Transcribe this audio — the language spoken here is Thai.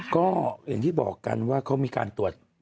ก็อย่างที่บอกกันว่าเขามีการตรวจ